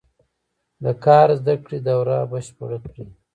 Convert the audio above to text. د کار زده کړې دوره بشپړه کړي.